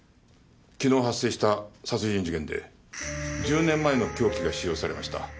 昨日発生した殺人事件で１０年前の凶器が使用されました。